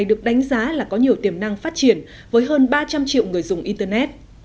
được đánh giá là có nhiều tiềm năng phát triển với hơn ba trăm linh triệu người dùng internet